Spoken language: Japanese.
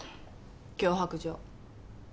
脅迫状。